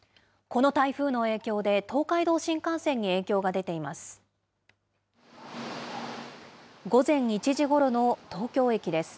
この台風の影響で、東海道新幹線に影響が出ています。